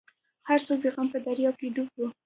هر څوک د غم په دریا کې ډوب وو.